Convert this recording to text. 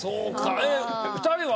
えっ２人は？